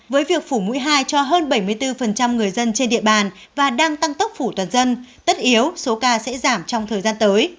với việc phủ mũi hai cho hơn bảy mươi bốn người dân trên địa bàn và đang tăng tốc phủ toàn dân tất yếu số ca sẽ giảm trong thời gian tới